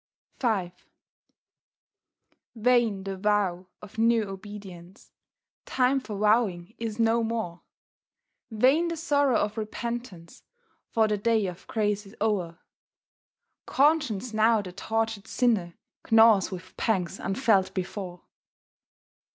V Vain the vow of new obedience— Time for vowing is no more; Vain the sorrow of repentance, For the day of grace is o'er; Conscience now the tortured sinner Gnaws with pangs unfelt before.